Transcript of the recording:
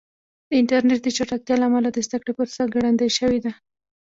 د انټرنیټ د چټکتیا له امله د زده کړې پروسه ګړندۍ شوې ده.